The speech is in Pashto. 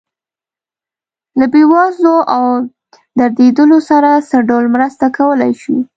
له بې وزلو او دردېدلو سره څه ډول مرسته کولی شو.